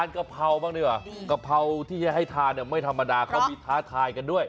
กะเพราบ้างดีกว่ากะเพราที่จะให้ทานเนี่ยไม่ธรรมดาเขามีท้าทายกันด้วย